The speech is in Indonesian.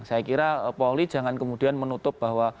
saya kira polri jangan kemudian menutup bahwa